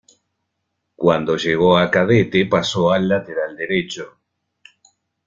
Cuando llegó a cadete paso al lateral derecho.